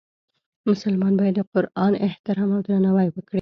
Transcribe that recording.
مسلمان باید د قرآن احترام او درناوی وکړي.